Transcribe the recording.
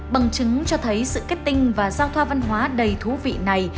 bằng chứng cho thấy sự kết tinh và giao thoa văn hóa đầy thú vị này